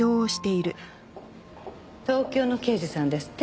東京の刑事さんですって？